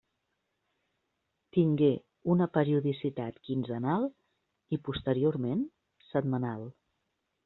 Tingué una periodicitat quinzenal i posteriorment setmanal.